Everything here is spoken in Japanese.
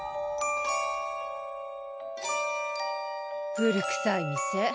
古くさい店。